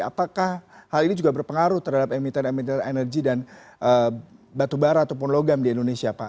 apakah hal ini juga berpengaruh terhadap emitan emitan energi dan batubara ataupun logam di indonesia pak